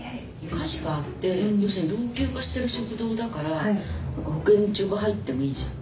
火事があって要するに老朽化してる食堂だから保健所が入ってもいいじゃない。